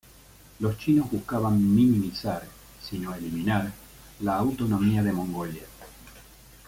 Los chinos buscaban minimizar, si no eliminar, la autonomía de Mongolia.